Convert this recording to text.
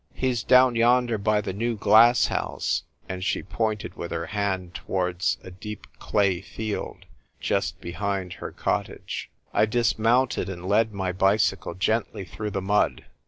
" He's down yonder by the new glass house." And r]\c pointed with her hand towards a deep clay 1 Id just behind her cottage. I dismounted, and led my bicj'^cle gently through the mud.